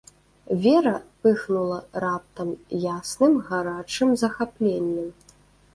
Вера пыхнула раптам ясным гарачым захапленнем.